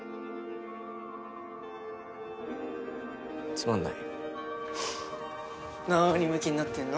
つまんないなにむきになってんの？